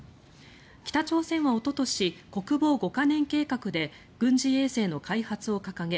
北朝鮮はおととし国防五カ年計画で軍事衛星の開発を掲げ